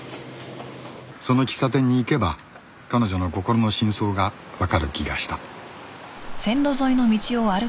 その喫茶店に行けば彼女の心の真相がわかる気がした